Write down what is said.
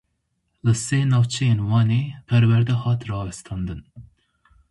Li sê navçeyên Wanê perwerde hat rawestandin.